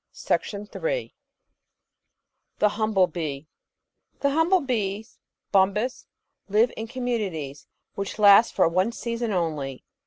528 The Outline of Science > The Humble Bee The Humble Bees (Bombus) live in communities which last for one season only.